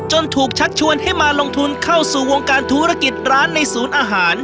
ถูกชักชวนให้มาลงทุนเข้าสู่วงการธุรกิจร้านในศูนย์อาหาร